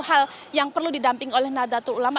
hal yang perlu didamping oleh nadatul ulama